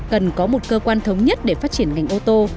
cần có một cơ quan thống nhất để phát triển ngành ô tô